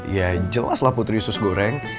ya jelaslah putri susgoreng